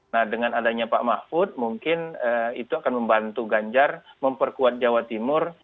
nah dengan adanya pak mahfud mungkin itu akan membantu ganjar memperkuat jawa timur